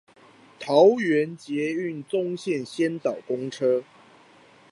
桃園捷運棕線先導公車